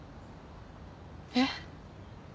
えっ？